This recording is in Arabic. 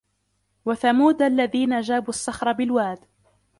وثمود الذين جابوا الصخر بالواد